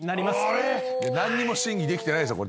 何にも審議できてないですよ。